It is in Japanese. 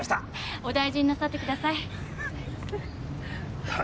お大事になさってください。